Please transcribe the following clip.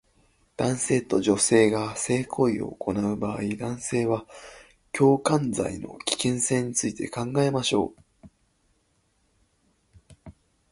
男性と女性が性行為を行う場合、男性は強姦罪の危険性について考えましょう